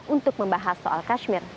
untuk membahas soal kashmir